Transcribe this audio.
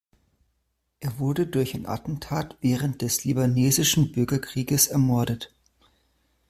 Er wurde durch ein Attentat während des libanesischen Bürgerkrieges ermordet.